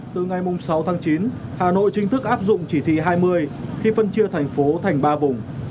từ ngày sáu tháng chín hà nội chính thức áp dụng chỉ thị hai mươi khi phân chia thành phố thành ba vùng